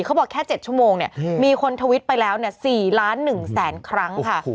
เขาบอกแค่๗ชั่วโมงเนี่ยมีคนทวิตไปแล้ว๔ล้าน๑แสนครั้งค่ะ